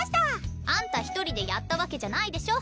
あんた一人でやったわけじゃないでしょ！